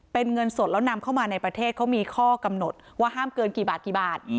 เป็นเงินสดแล้วนำเข้ามาในประเทศเขามีข้อกำหนดว่าห้ามเกินกี่บาทกี่บาท